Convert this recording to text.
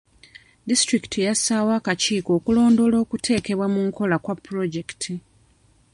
Disitulikiti yassaawo akakiiko okulondoola okuteekebwa mu nkola kwa pulojekiti.